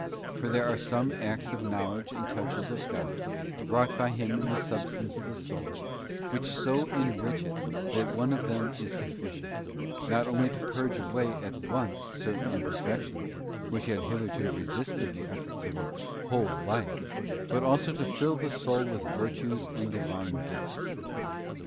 For there are some acts of knowledge and touches of God, wrought by Him in the substance of the soul, which so enrich it that one of them is sufficient, not only to purge away at once certain imperfections, which had hitherto resisted the efforts of a whole life, but also to fill the soul with virtues and Divine gifts.